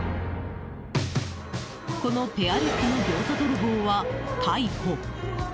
このペアルックのギョーザ泥棒は逮捕。